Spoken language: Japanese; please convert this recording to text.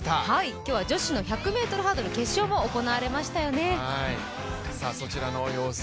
今日は女子の１００ｍハードル決勝も行われましたよね。